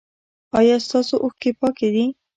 ایا ستاسو اوښکې پاکې دي؟